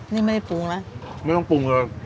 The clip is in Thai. นี่ไม่ได้ปรุงนะไม่ต้องปรุงเลย